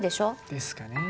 ですかねえ。